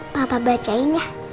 bapak bacain ya